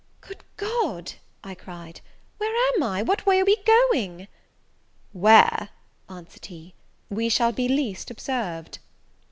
"Good God!" I cried, "where am I? What way are you going?" "Where," answered he, "we shall be least observed!"